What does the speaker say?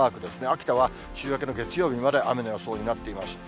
秋田は週明けの月曜日まで雨の予想になっています。